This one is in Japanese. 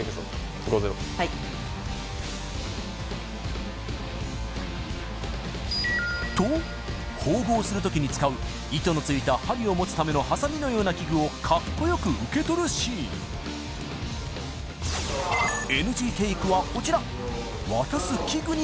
５−０はいと縫合するときに使う糸のついた針を持つためのハサミのような器具をかっこよく受け取るシーンＮＧテイクはこちら渡す